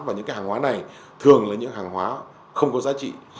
và những cái hàng hóa này thường là những hàng hóa không có giá trị